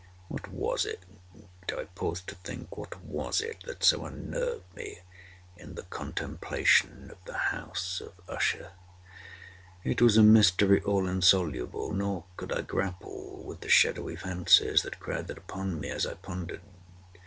What was it—I paused to think—what was it that so unnerved me in the contemplation of the House of Usher? It was a mystery all insoluble; nor could I grapple with the shadowy fancies that crowded upon me as I pondered.